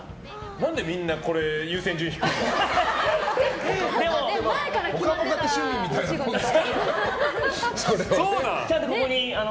何でみんなこれ優先順位低いの。